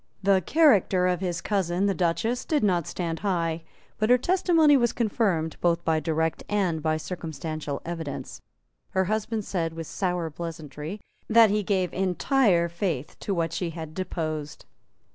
The character of his cousin the Duchess did not stand high; but her testimony was confirmed both by direct and by circumstantial evidence. Her husband said, with sour pleasantry, that he gave entire faith to what she had deposed.